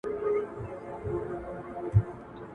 لیکل سوي تاریخونه کله ناکله په دروغو ولاړ وي.